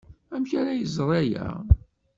Amek ara iẓer aya?